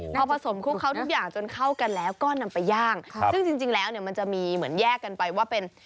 พอผสมคลุกเขาทุกอย่างจนเข้ากันแล้วก็นำไปย่างซึ่งจริงแล้วเนี่ยมันจะมีเหมือนแยกกันไปว่าเป็น